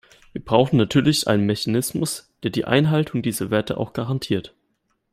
Wir brauchen natürlich einen Mechanismus, der die Einhaltung dieser Werte auch garantiert.